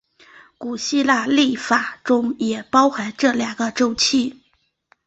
古希腊历法中也包含这两个周期。